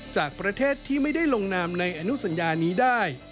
จากประเทศที่ไม่ได้ลงนามในอนุสัญญานี้ได้